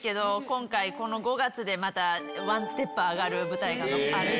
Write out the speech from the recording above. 今回この５月でまたワンステップ上がる舞台がある。